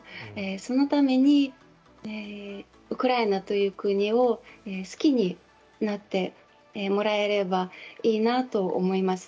そのためにウクライナという国を好きになってもらえればいいなと思います。